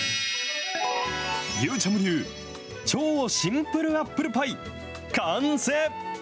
ゆーちゃむ流、超シンプルアップルパイ完成！